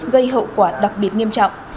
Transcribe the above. gây hậu quả đặc biệt nghiêm trọng